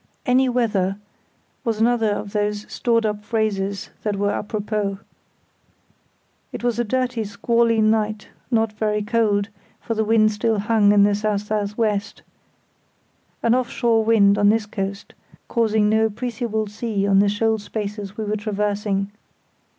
"Any weather" was another of those stored up phrases that were à propos. It was a dirty, squally night, not very cold, for the wind still hung in the S.S.W.—an off shore wind on this coast, causing no appreciable sea on the shoal spaces we were traversing.